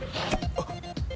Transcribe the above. あっ！